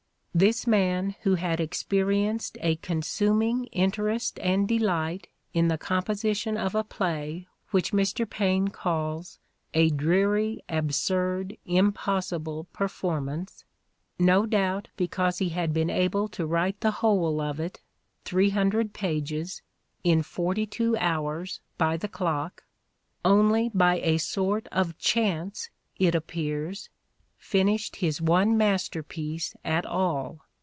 This man who had experienced a "consuming interest and delight" in the composition of a play which Mr. Paine calls "a dreary, absurd, impossible perform ance" — ^no doubt because he had been able to write the, whole of it, three hundred pages, in forty two hours by the clock, only by a sort of chance, it appears, finished his one masterpiece at all.